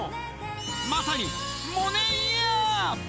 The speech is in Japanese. まさに萌音イヤー。